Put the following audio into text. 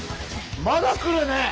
まだ来るね！